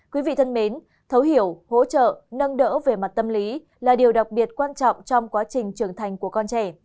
quý vị thân mến thấu hiểu hỗ trợ nâng đỡ về mặt tâm lý là điều đặc biệt quan trọng trong quá trình trưởng thành của con trẻ